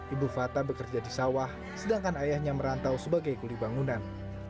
ibu fata bekerja di sawah sedangkan ayahnya merantau sebagai kuli bangunan